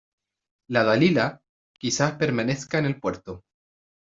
" la Dalila " quizá permanezca en el puerto: